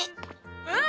うん！